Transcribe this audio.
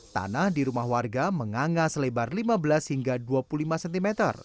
tanah di rumah warga menganga selebar lima belas hingga dua puluh lima cm